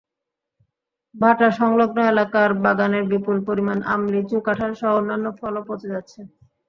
ভাটাসংলগ্ন এলাকার বাগানের বিপুল পরিমাণ আম, লিচু, কাঁঠালসহ অন্যান্য ফলও পচে যাচ্ছে।